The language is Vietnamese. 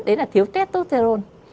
đấy là thiếu tetosterone